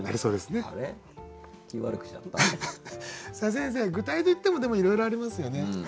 先生具体といってもでもいろいろありますよね。